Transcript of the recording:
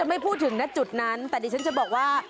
ไม่พูดถึงจุดนั้นแต่ว่า